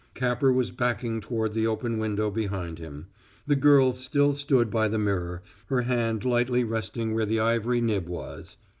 Capper was backing toward the open window behind him. The girl still stood by the mirror, her hand lightly resting where the ivory nib was.